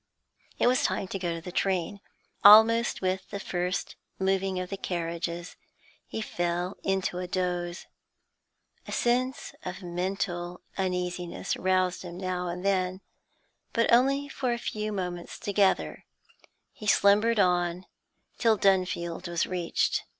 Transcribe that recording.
It was time to go to the train. Almost with the first moving of the carriages he fell into a doze. A sense of mental uneasiness roused him now and then, but only for a few moments together; he slumbered on till Dunfield was reached.